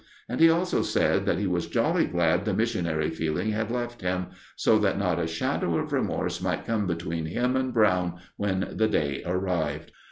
And he also said that he was jolly glad the missionary feeling had left him, so that not a shadow of remorse might come between him and Brown when "The Day" arrived.